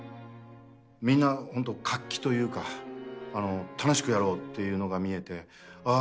みんなホント活気というか楽しくやろうというのが見えてああ